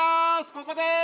ここです！